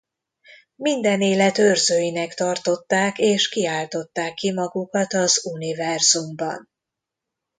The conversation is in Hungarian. Minden élet őrzőinek tartották és kiáltották ki magukat az Univerzumban.